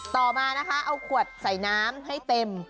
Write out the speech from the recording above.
ต่อมานะคะเอาขวดใส่น้ำให้เต็ม